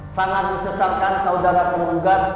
sangat disesatkan saudara saudara terbuka